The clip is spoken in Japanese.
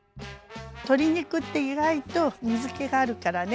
鶏肉って意外と水けがあるからね